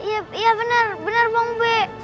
iya iya bener bang ube